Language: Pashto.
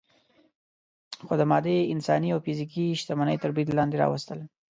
خو د مادي، انساني او فزیکي شتمنۍ تر برید لاندې راوستل.